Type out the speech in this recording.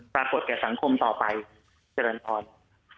ปรากฏแก่สังคมต่อไปเจริญพร